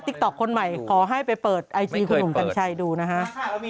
ติ๊กต๊อกคนใหม่ขอให้ไปไอจีก่อนหนุ่มกันใช่ดูนะฮะ